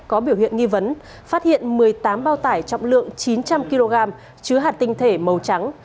có biểu hiện nghi vấn phát hiện một mươi tám bao tải trọng lượng chín trăm linh kg chứa hạt tinh thể màu trắng